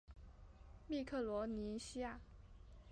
密克罗尼西亚。